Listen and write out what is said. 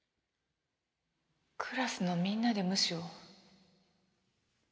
クラスのみんなで無視を？